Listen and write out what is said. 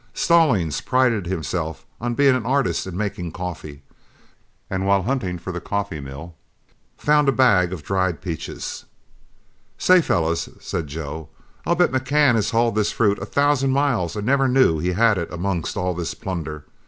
Stallings prided himself on being an artist in making coffee, and while hunting for the coffee mill, found a bag of dried peaches. "Say, fellows," said Joe, "I'll bet McCann has hauled this fruit a thousand miles and never knew he had it amongst all this plunder.